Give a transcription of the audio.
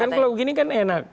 kan kalau gini kan enak